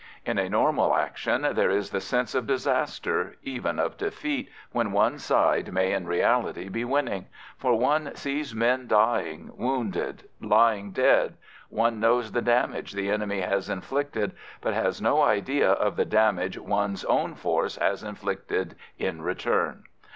In a normal action, there is the sense of disaster, even of defeat when one's side may in reality be winning, for one sees men dying, wounded, lying dead one knows the damage the enemy has inflicted, but has no idea of the damage ones own force has inflicted in return.